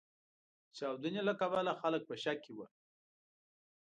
د چاودنې له کبله خلګ په شک کې و.